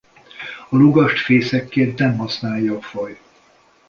A lugast fészekként nem használja a faj.